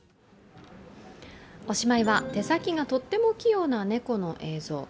おしまいは、手先がとっても器用な猫の映像。